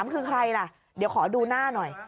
คือใครล่ะเดี๋ยวขอดูหน้าหน่อย